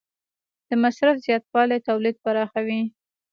د مصرف زیاتوالی تولید پراخوي.